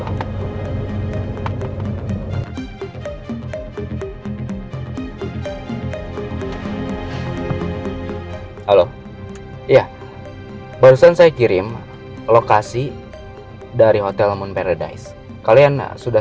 halo ya barusan saya kirim lokasi dari hotel moon paradise kalian sudah